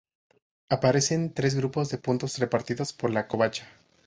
Aparecen tres grupos de puntos repartidos por la covacha.